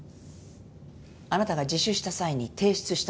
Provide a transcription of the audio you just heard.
あなたが自首した際に提出したものですね？